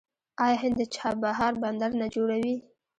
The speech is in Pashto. آیا هند د چابهار بندر نه جوړوي؟